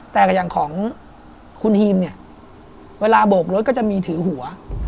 แต่อย่างของคุณฮีมเนี่ยเวลาโบกรถก็จะมีถือหัว